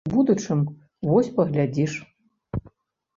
У будучым, вось паглядзіш.